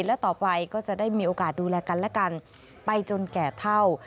และต่อไปก็จะได้มีโอกาสดูแลกันและกันไปจนแก่เท่า